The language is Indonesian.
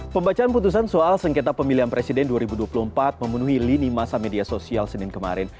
pembacaan putusan soal sengketa pemilihan presiden dua ribu dua puluh empat memenuhi lini masa media sosial senin kemarin